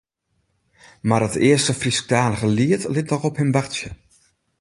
Mar it earste Frysktalige liet lit noch op him wachtsje.